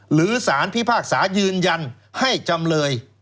หรือสารพิพากษายืนยันให้จำเลย